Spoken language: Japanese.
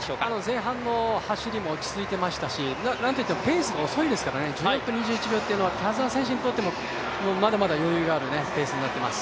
前半の走りも落ち着いていましたし、何といってもペースが遅いですからね、１６分２１秒というのは田澤選手にとってもまだまだ余裕のあるペースになっています。